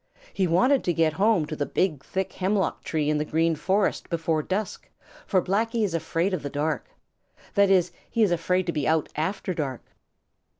He wanted to get home to the big, thick hemlock tree in the Green Forest before dusk, for Blacky is afraid of the dark. That is, he is afraid to be out after dark.